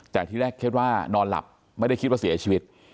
แต่ที่แรกคิดว่านอนหลับไม่ได้คิดว่าเสียชีวิต